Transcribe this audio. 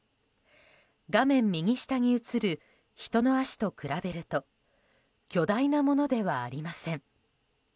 画面右下に映る人の足と比べると巨大なものではありません。